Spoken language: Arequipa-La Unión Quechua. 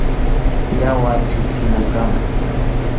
Yawar chilchinankama.